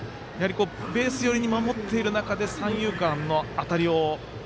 ベース寄りに守っている中で三遊間の当たりを。